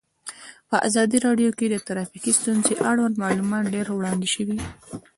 په ازادي راډیو کې د ټرافیکي ستونزې اړوند معلومات ډېر وړاندې شوي.